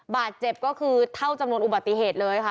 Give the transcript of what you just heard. บาดเจ็บก็คือเท่าจำนวนอุบัติเหตุเลยค่ะ